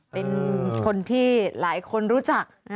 เป็นคนที่หลายคนรู้จัก